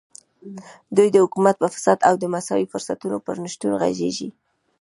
دوی د حکومت په فساد او د مساوي فرصتونو پر نشتون غږېږي.